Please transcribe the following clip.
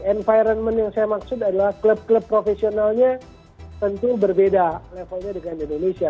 environment yang saya maksud adalah klub klub profesionalnya tentu berbeda levelnya dengan indonesia